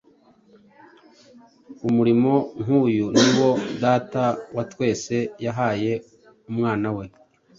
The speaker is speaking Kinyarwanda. Umurimo nk’uyu ni wo Data wa twese yahaye Umwana we.